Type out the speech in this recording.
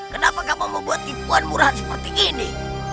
kenapa kamu membuat tipuan murah seperti ini